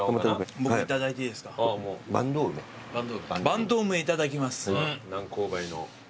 坂東梅いただきます。